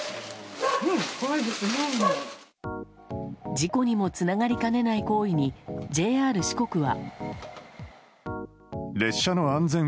事故にもつながりかねない行為にＪＲ四国は。